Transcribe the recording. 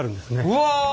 うわ！